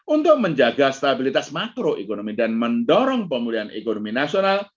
untuk menjaga stabilitas makroekonomi dan mendorong pemulihan ekonomi nasional